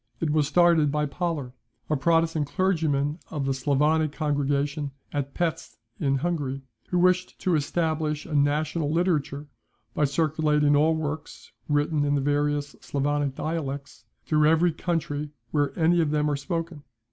It was started by Pollar, a Protestant clergyman of the Sclavonic congregation at Pesth, in Hungary, who wished to establish a national literature, by circulating all works, written in the various Sclavonic dialects, through every country where any of them are spoken.